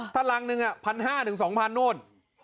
ถ้ารังหนึ่ง๑๕๐๐๒๐๐โน่น